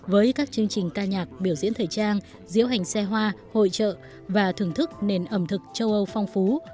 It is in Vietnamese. với các chương trình ca nhạc biểu diễn thời trang diễu hành xe hoa hội trợ và thưởng thức nền ẩm thực châu âu phong phú